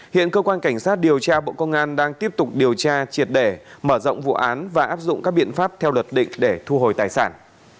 hiện cơ quan cảnh sát điều tra bộ công an đang tiếp tục điều tra triệt để mở rộng vụ án và áp dụng các biện pháp theo luật định để thu hồi tài sản